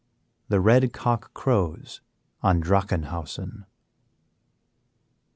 The Red Cock Crows on Drachenhausen.